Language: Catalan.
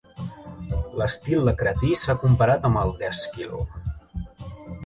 L'estil de Cratí s'ha comparat amb el d'Èsquil.